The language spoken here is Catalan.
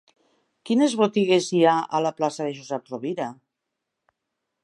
Quines botigues hi ha a la plaça de Josep Rovira?